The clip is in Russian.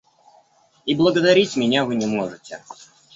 И благодарить меня вы не можете.